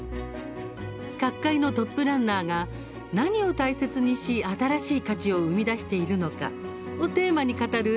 各界のトップランナーが何を大切にし新しい価値を生み出しているのかをテーマに語る